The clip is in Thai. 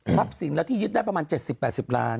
สินแล้วที่ยึดได้ประมาณ๗๐๘๐ล้าน